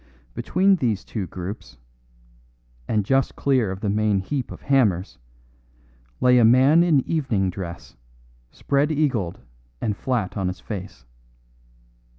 Between these two groups, and just clear of the main heap of hammers, lay a man in evening dress, spread eagled and flat on his face.